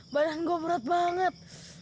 badan gua berat banget